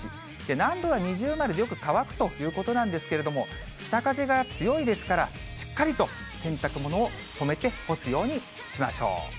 南部は二重丸でよく乾くということなんですけれども、北風が強いですから、しっかりと洗濯物を留めて干すようにしましょう。